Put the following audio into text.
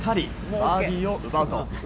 バーディーを奪うと。